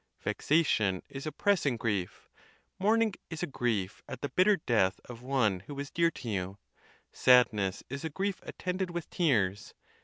Vexation is a pressing grief. Mourning is a grief at the bitter death of one who was dear to you. Sadness is a grief attended with tears.